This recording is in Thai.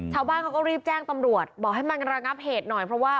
ชาวบ้านเขาก็รีบแจ้งตำรวจบอกให้มาระงับเหตุหน่อยเพราะว่า